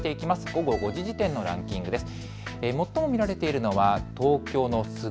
午後５時時点のランキングです。